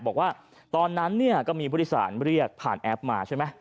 บอกว่าตอนนั้นเนี่ยก็มีผู้โดยสารเรียกผ่านแอปมาใช่ไหม